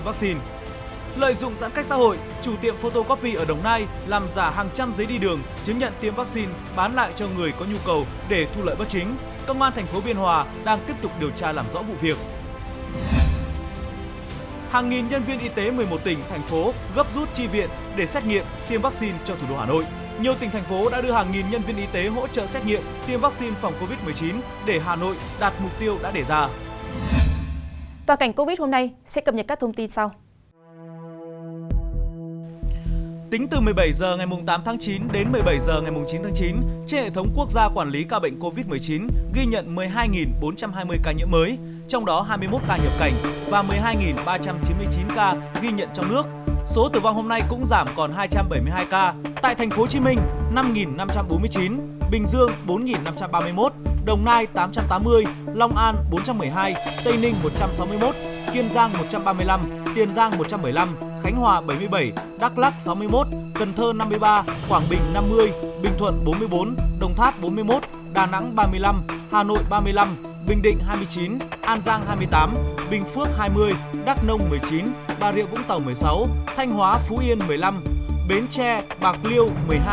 năm năm trăm bốn mươi chín bình dương bốn năm trăm ba mươi một đồng nai tám trăm tám mươi long an bốn trăm một mươi hai tây ninh một trăm sáu mươi một kiên giang một trăm ba mươi năm tiền giang một trăm bảy mươi năm khánh hòa bảy mươi bảy đắk lắc sáu mươi một cần thơ năm mươi ba quảng bình năm mươi bình thuận bốn mươi bốn đồng tháp bốn mươi một đà nẵng ba mươi năm hà nội ba mươi năm bình định hai mươi chín an giang hai mươi tám bình phước hai mươi đắk nông một mươi chín bà rịa vũng tàu một mươi sáu thanh hóa phú yên một mươi năm bến tre bạc liêu một mươi hai